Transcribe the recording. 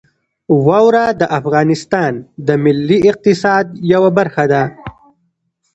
واوره د افغانستان د ملي اقتصاد یوه برخه ده.